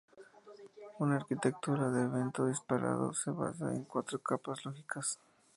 Una arquitectura de evento disparado se basa en cuatro capas lógicas.